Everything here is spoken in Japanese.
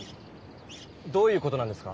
どういう事なんですか？